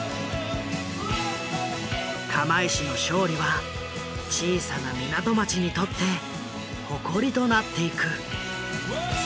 釜石の勝利は小さな港町にとって誇りとなっていく。